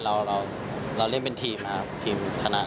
เราเล่นเป็นทีมครับทีมคะแนน